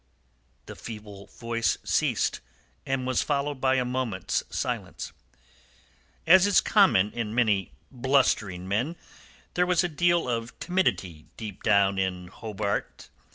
The feeble voice ceased, and was followed by a moment's silence. As is common in many blustering men, there was a deal of timidity deep down in Hobart.